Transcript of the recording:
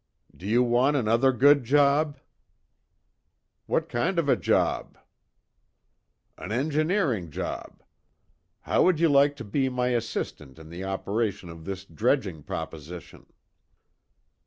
"Do you want another good job?" "What kind of a job?" "An engineering job. How would you like to be my assistant in the operation of this dredging proposition?"